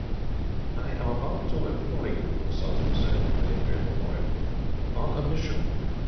"I am about to employ you," the sultan said, when they appeared before him, "on a mission.